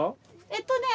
えっとね